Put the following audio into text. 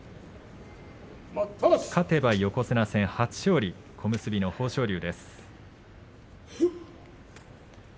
勝てば横綱戦、初勝利小結の豊昇龍。